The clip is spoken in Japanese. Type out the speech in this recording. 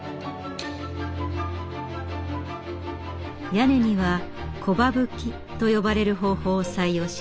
屋根には木羽葺と呼ばれる方法を採用しました。